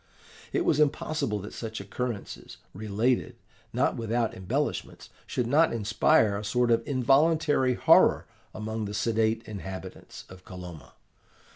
It was impossible that such occurrences, related, not without embellishments, should not inspire a sort of involuntary horror amongst the sedate inhabitants of Kolomna.